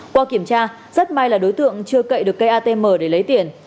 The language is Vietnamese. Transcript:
qua kiểm tra rất may là đối tượng chưa cậy được cây atm để lấy tiền